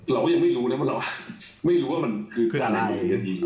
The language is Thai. เรายังไม่รู้เนี่ยไม่รู้ว่ามันคืออะไร